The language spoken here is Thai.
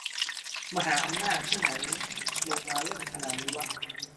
"มหาอำนาจที่ไหนลงมาเล่นขนาดนี้วะ"